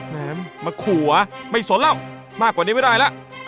แหมมาขัวไม่สนแล้วมากกว่านี้ไม่ได้แล้ว